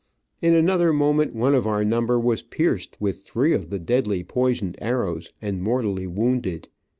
In another moment one of our number was pierced with three of the deadly poisoned arrows, and mortally wounded.